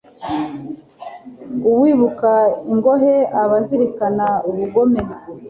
Uwubika ingohe aba azirikana ubugome